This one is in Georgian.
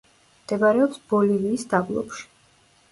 მდებარეობს ბოლივიის დაბლობში.